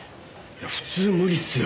普通無理っすよ。